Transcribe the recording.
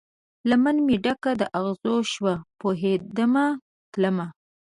لمن مې ډکه د اغزو شوه، پوهیدمه تلمه